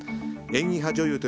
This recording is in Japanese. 演技派女優